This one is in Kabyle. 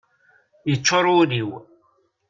Yeččur wul-iw.